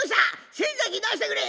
千崎出してくれ。